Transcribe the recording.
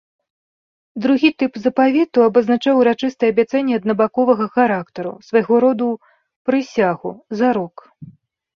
Другі тып запавету абазначаў урачыстае абяцанне аднабаковага характару, свайго роду прысягу, зарок.